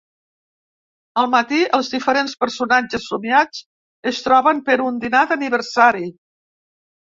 Al matí, els diferents personatges somiats es troben per un dinar d'aniversari.